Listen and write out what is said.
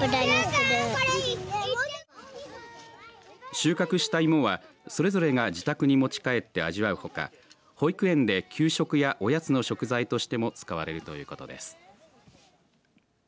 収穫した芋はそれぞれが自宅に持ち帰って味わうほか保育園で給食やおやつの食材としても使われるということです。